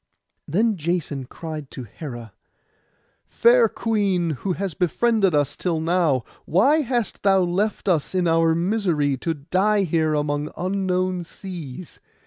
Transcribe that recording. Then Jason cried to Hera, 'Fair queen, who hast befriended us till now, why hast thou left us in our misery, to die here among unknown seas?